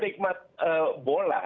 saya ini penikmat bola